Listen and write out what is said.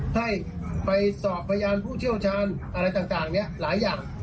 ให้ไปสอบพยานผู้เชี่ยวชาญอะไรต่างเนี่ยหลายอย่าง